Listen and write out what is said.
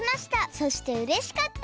そしてうれしかった！